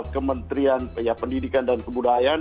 kementerian pendidikan dan kebudayaan